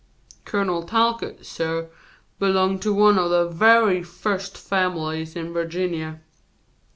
Colonel Talcott, suh, belonged to one of the vehy fust families in Virginia.